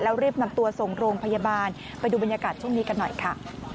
แล้วรีบนำตัวส่งโรงพยาบาลไปดูบรรยากาศช่วงนี้กันหน่อยค่ะ